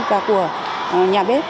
và của nhà bếp